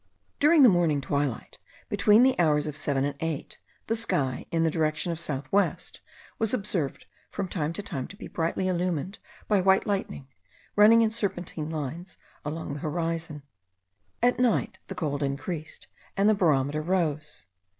During the morning twilight, between the hours of seven and eight, the sky, in the direction of south west, was observed from time to time to be brightly illumined by white lightning, running in serpentine lines along the horizon. At night the cold increased and the barometer rose.